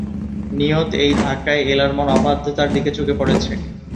নিয়ত এই ধাক্কায় এলার মন অবাধ্যতার দিকে ঝুঁকে পড়েছে।